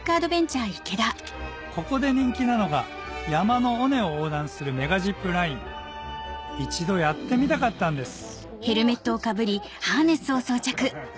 ここで人気なのが山の尾根を横断するメガジップライン一度やってみたかったんですおちょっと。